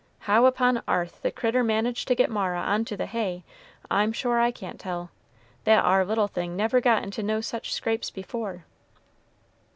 How upon 'arth the critter managed to get Mara on to the hay, I'm sure I can't tell, that ar little thing never got into no such scrapes before."